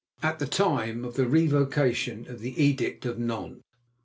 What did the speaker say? at the time of the revocation of the Edict of Nantes.